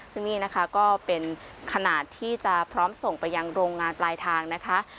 ซึ่งนี่นะคะก็เป็นขนาดที่จะพร้อมส่งไปยังโรงงานปลายทางนะคะ